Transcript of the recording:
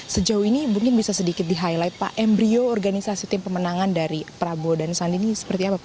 sejauh ini mungkin bisa sedikit di highlight pak embryo organisasi tim pemenangan dari prabowo dan sandi ini seperti apa pak